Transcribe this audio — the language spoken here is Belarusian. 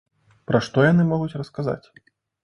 Пра што яны могуць расказаць?